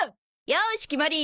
よーし決まり。